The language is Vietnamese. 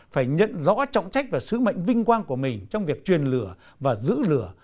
phải nhận rõ trọng trách và sứ mệnh vinh quang của mình trong việc truyền lửa và giữ lửa